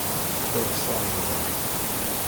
Truḥ s aɣerbaz.